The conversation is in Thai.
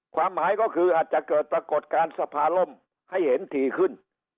ความหมายก็คืออาจจะเกิดปรากฏการณ์สภาล่มให้เห็นถี่ขึ้น